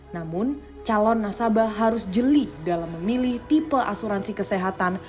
namun calon nasabah harus jeli dalam memilih tipe asuransi kesehatan